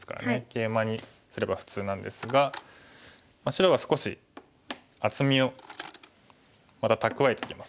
ケイマにすれば普通なんですが白は少し厚みをまた蓄えてきます。